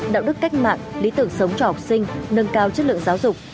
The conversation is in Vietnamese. đạo đức cách mạng lý tưởng sống cho học sinh nâng cao chất lượng giáo dục